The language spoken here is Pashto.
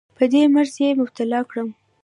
په دې مرض یې مبتلا کړم.